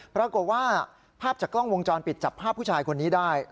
ปรากฏว่าภาพจากกล้องวงจรปิดจับภาพผู้ชายคนนี้ได้